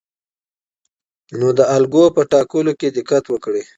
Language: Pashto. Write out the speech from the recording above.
نو د الګو په ټاکلو کې دقت وکړئ.